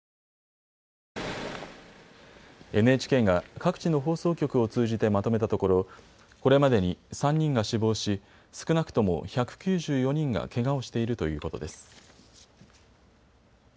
ＮＨＫが各地の放送局を通じてまとめたところこれまでに３人が死亡し少なくとも１９４人がけがをしているということです。